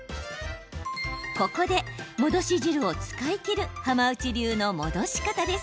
ここで戻し汁を使い切る浜内流の戻し方です。